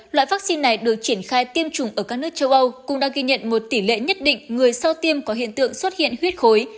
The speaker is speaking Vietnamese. loại vaccine này được triển khai tiêm chủng ở các nước châu âu cũng đã ghi nhận một tỷ lệ nhất định người sau tiêm có hiện tượng xuất hiện huyết khối